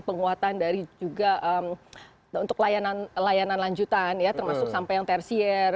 penguatan dari juga untuk layanan lanjutan ya termasuk sampai yang tersier